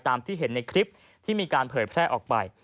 ที่เห็นในคลิปที่มีการเผยแพร่ออกไป